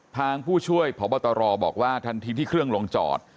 ผู้ช่วยพบตรบอกว่าทันทีที่เครื่องลงจอด